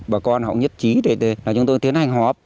bà con họ nhất trí để chúng tôi tiến hành họp